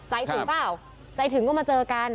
ใจถึงเปล่าใจถึงก็มาเจอกัน